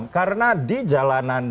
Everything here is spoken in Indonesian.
karena di jalanan